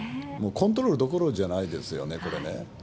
もうコントロールどころじゃないですよね、これね。